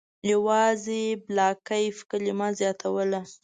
یوازې «بلاکیف» کلمه زیاتوله.